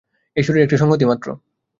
এই শরীর একটি সংহতি মাত্র।